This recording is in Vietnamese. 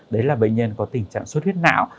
đấy là bệnh nhân có tình trạng suốt huyết não